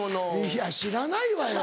いや知らないわよ。